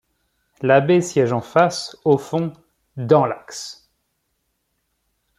L'abbé siège en face, au fond, dans l'axe.